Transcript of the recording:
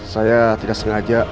saya tidak sengaja